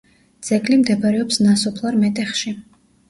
ძეგლი მდებარეობს ნასოფლარ მეტეხში.